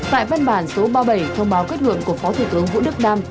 tại văn bản số ba mươi bảy thông báo kết luận của phó thủ tướng vũ đức đam